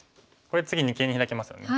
これ次に二間にヒラけますよね。